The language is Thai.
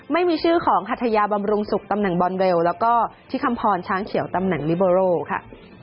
ไม่มีชื่อของฮัทยาบำรุงสุขตำแหน่งบอลเวลแล้วก็ที่คำพรช้างเขียวตำแหน่งลิเบอร์โรค่ะ